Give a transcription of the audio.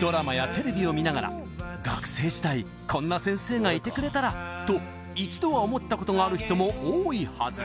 ドラマやテレビを見ながら学生時代こんな先生がいてくれたらと一度は思ったことがある人も多いはず